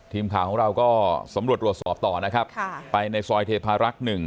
ทีมข่าวของเราก็สำรวจตรวจสอบต่อนะครับไปในซอยเทพารักษ์๑